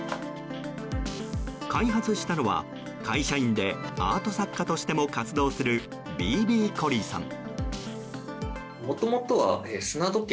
開発したのは、会社員でアート作家としても活動するＢＢコリーさん。